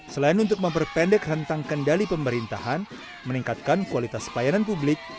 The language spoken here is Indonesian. selain untuk memperpendek rentang kendali pemerintahan meningkatkan kualitas pelayanan publik